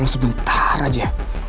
lo sebentar aja